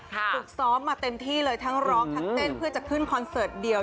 ฝึกซ้อมมาเต็มที่เลยทั้งร้องทั้งเต้นเพื่อจะขึ้นคอนเสิร์ตเดียว